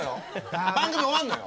番組終わんのよ。